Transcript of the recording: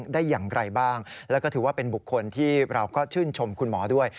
ได้อย่างไรบ้างแล้วก็ถือว่าเป็นบุคคลที่เราก็ชื่นชมคุณหมอด้วย